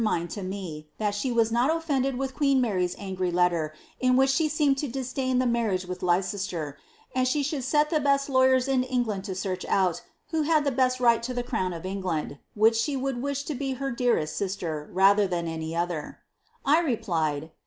mind to me, that she was not oOended with queen Mary^s angry letter, in which she seemed to disdain the marriage with Leicester, and the should set the best lawyers in England lo search out, who had thg best right to the crown of England, which she would wish to be her dearest 8i!>ler, raiher than any other.' I replied.